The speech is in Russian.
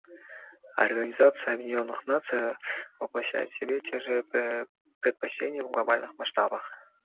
Организация Объединенных Наций воплощает в себе те же предпочтения в глобальных масштабах.